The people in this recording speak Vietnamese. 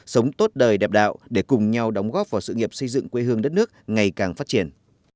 sống tốt đời đẹp đạo để cùng nhau đóng góp vào sự nghiệp xây dựng quê hương đất nước ngày càng phát triển